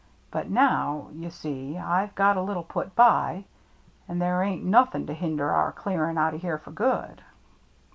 But now, you see, I've got a little put by, and there ain't nothing to hinder our clearing out o' here for good."